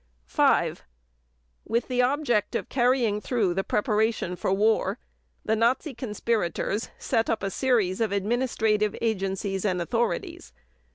5. With the object of carrying through the preparation for war the Nazi conspirators set up a series of administrative agencies and authorities.